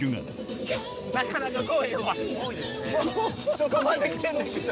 そこまで来てんねんけど